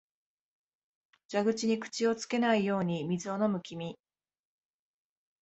蛇口に口をつけないように水を飲む君、